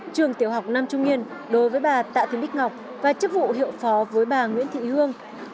trường tiểu học nam trung niên đối với bà tạ thị bích ngọc và chức vụ hiệu phó với bà nguyễn thị hương